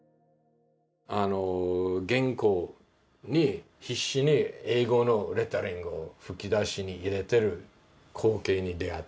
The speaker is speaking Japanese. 原稿に必死に英語のレタリングを吹き出しに入れている光景に出会った。